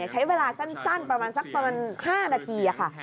ใช้เวลาสั้นประมาณสักประมาณ๕นาทีค่ะ